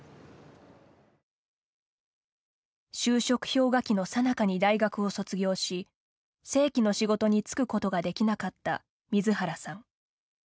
就職氷河期のさなかに大学を卒業し正規の仕事に就くことができなかった水原さん。